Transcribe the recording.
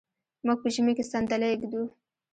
موږ په ژمي کې صندلی ږدو.